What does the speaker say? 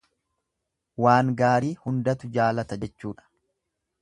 Waan gaarii hundatu jaalata jechuudha.